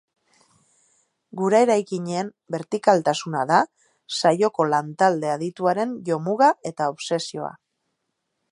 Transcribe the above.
Gure eraikinen bertikaltasuna da saioko lan-talde adituaren jomuga eta obsesioa.